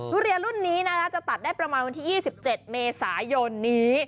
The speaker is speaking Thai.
ทุเรียนรุ่นนี้นะคะจะตัดได้ประมาณวันที่๒๗เมษายนนี้